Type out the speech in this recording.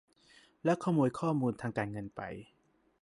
แล้วขโมยข้อมูลทางการเงินไป